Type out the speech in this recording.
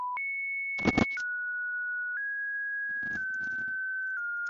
策勒蒲公英为菊科蒲公英属下的一个种。